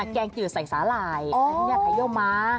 แกงจืดใส่สาหร่ายอันนี้ไถโยม้า